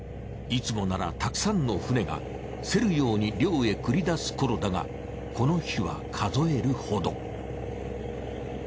いつもならたくさんの船が競るように漁へ繰り出す頃だがこの日は数えるほど。